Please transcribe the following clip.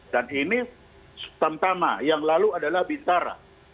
dan ini tamtama yang lalu adalah bintara